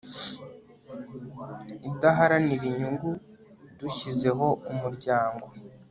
idaharanira inyungu dushyizeho umuryango